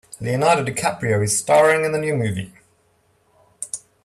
Leonardo DiCaprio is staring in the new movie.